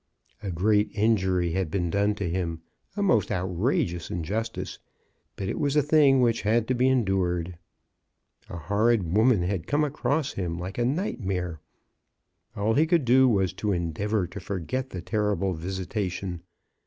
A great injury had been done to him — a most outrageous injus tice ; but it was a thing which had to be en dured. A horrid woman had come across him like a nightmare. All he could do was to endeavor to forget the terrible visitation.